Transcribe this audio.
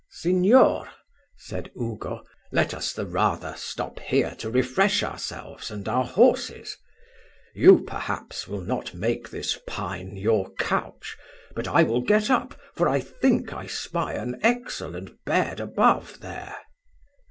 "Signor," said Ugo, "let us the rather stop here to refresh ourselves and our horses. You, perhaps, will not make this pine your couch, but I will get up, for I think I spy an excellent bed above there."